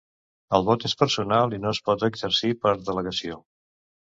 El vot és personal i no es pot exercir per delegació.